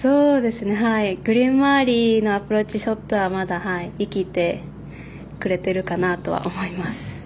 グリーン周りのアプローチショットはまだ生きてくれているかなとは思います。